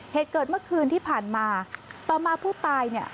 เหตุเกิดเมื่อคืนที่ผ่านมาต่อมาผู้ตายเนี่ย